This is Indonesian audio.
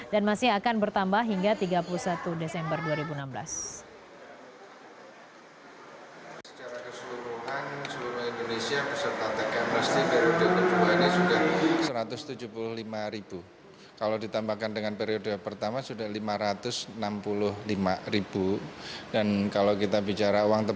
dan masih akan bertambah hingga tiga puluh satu desember dua ribu enam belas